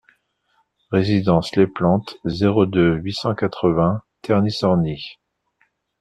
Résidence Les Plantes, zéro deux, huit cent quatre-vingts Terny-Sorny